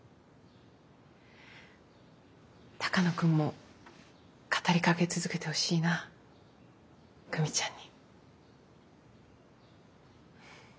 鷹野君も語りかけ続けてほしいな久美ちゃんに。